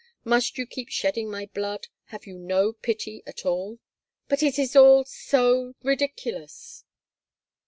Must you keep shedding my blood? Have you no pity at all?" "But it is all so ridiculous.